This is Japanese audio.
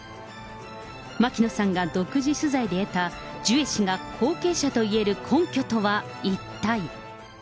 牧野さんが独自取材で得た、ジュエ氏が後継者といえる根拠とは一体。